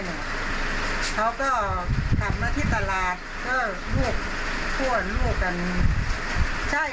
น่ะเขาก็ขาดมาที่ตลาดผู้ลูกครันใช่